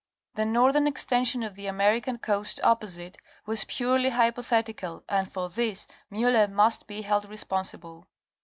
The northern extension of the American coast opposite, was purely hypothetical and for this Miller must be held responsible.